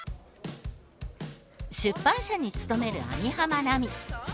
出版社に勤める網浜奈美。